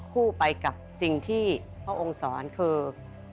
คู่ไปกับสิ่งที่พระองค์สอนคือ